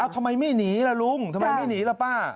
ทำไมไม่หนีล่ะลุงทำไมไม่หนีล่ะป้า